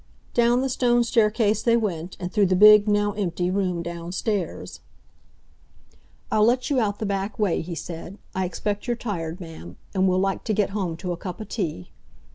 Down the stone staircase they went, and through the big, now empty, room downstairs. "I'll let you out the back way," he said. "I expect you're tired, ma'am, and will like to get home to a cup o' tea."